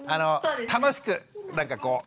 楽しくなんかこう。